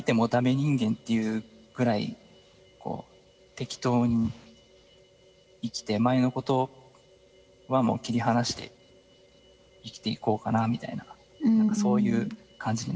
人間っていうぐらいこう適当に生きて前のことはもう切り離して生きていこうかなみたいな何かそういう感じになってます。